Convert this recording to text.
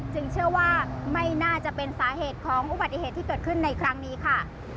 เชื่อว่าไม่น่าจะเป็นสาเหตุของอุบัติเหตุที่เกิดขึ้นในครั้งนี้ค่ะ